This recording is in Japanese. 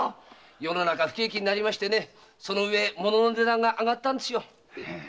世の中不景気になりましてね物の値段が上がったんですよ。